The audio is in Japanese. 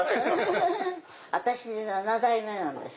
私で７代目なんです。